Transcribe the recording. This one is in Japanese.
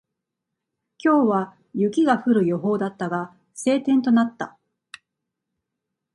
今日は雪が降る予報だったが、晴天となった。